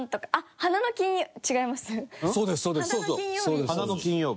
花の金曜日？